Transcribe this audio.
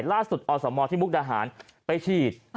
ล่าสุดออสโอมอลที่มุกรหาญไปฉีด